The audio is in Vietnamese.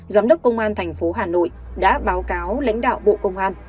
giám đốc công an tp hà nội đã báo cáo lãnh đạo bộ công an